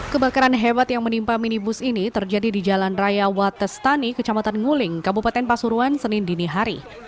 kebakaran hebat yang menimpa minibus ini terjadi di jalan raya watestani kecamatan nguling kabupaten pasuruan senin dinihari